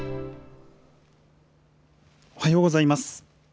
おはようございます。